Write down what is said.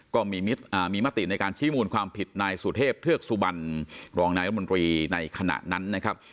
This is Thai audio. ก็มีมติในการชี้มูลความผิดนายสุเทพเทือกสุบันรองนายรัฐมนตรีในขณะนั้นนะครับ